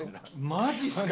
マジっすか！